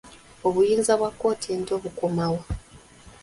Obuyinza bwa kkooti ento bukoma wa?